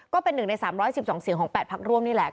ก็เป็น๑ใน๓๑๒เสียงของ๘พักร่วมนี่แหละ